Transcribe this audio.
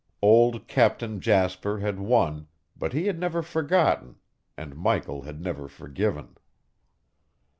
Old Captain Jasper had won, but he had never forgotten, and Michael had never forgiven.